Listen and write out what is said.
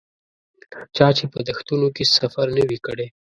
چا چې په دښتونو کې سفر نه وي کړی.